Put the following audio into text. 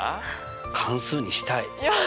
関数にしたい。